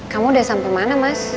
kamu udah sampai mana mas